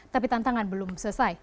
tapi tantangan belum selesai